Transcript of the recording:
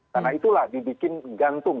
karena itulah dibikin gantung